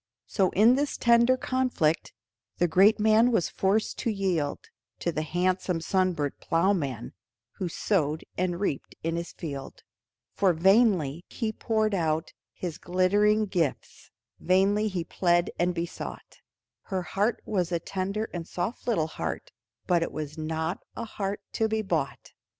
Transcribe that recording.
So in this tender conflict The great man was forced to yield To the handsome, sunburnt ploughman Who sowed and reaped in his field; For vainly he poured out his glittering gifts, Vainly he plead and besought, Her heart was a tender and soft little heart, But it was not a heart to be bought.